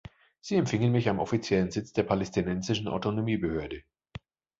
Sie empfingen mich am offiziellen Sitz der Palästinensischen Autonomiebehörde.